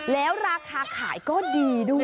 แล้วราคาขายก็ดีด้วย